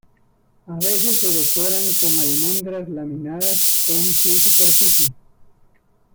A veces se decoran con almendras laminadas en su superficie.